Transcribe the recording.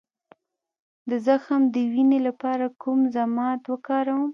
د زخم د وینې لپاره کوم ضماد وکاروم؟